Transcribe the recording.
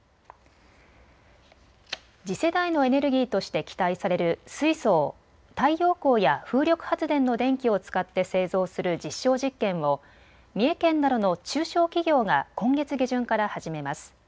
次世代のエネルギーとして期待される水素を太陽光や風力発電の電気を使って製造する実証実験を三重県などの中小企業が今月下旬から始めます。